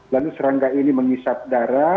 lalu serangga ini menghisap darah